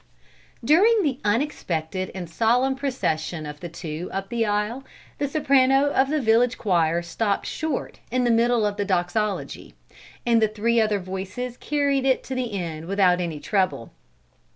During the unexpected and solemn procession of the two up the aisle the soprano of the village choir stopped short in the middle of the Doxology, and the three other voices carried it to the end without any treble.